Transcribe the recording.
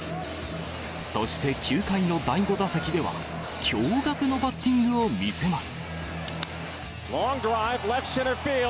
そして、９回の第５打席では、驚がくのバッティングを見せます。